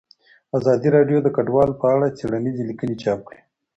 ازادي راډیو د کډوال په اړه څېړنیزې لیکنې چاپ کړي.